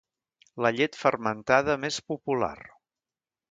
La llet fermentada més popular.